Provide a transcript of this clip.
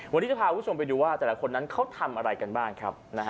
วันนี้จะพาคุณผู้ชมไปดูว่าแต่ละคนนั้นเขาทำอะไรกันบ้างครับ